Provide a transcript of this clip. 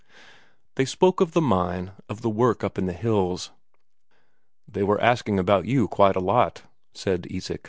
They spoke of the mine, of the work up in the hills. "They were asking about you, quite a lot," said Isak.